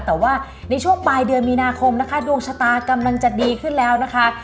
แต่ว่าในช่วงปลายเดือนมีนาคมนะคะดวงชะตากำลังจะดีขึ้นแล้วนะคะ